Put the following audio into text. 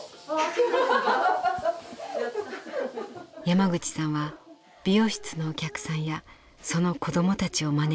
山口さんは美容室のお客さんやその子供たちを招きました。